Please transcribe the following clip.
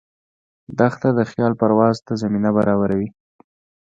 دښته د خیال پرواز ته زمینه برابروي.